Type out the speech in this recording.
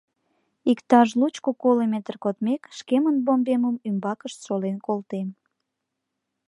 Иктаж лучко-коло метр кодмек, шкемын «бомбемым» ӱмбакышт шолен колтем.